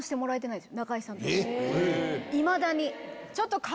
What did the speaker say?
いまだに。